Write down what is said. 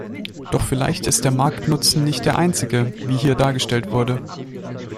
Doch vielleicht ist der Marktnutzen nicht der einzige, wie hier dargestellt wurde.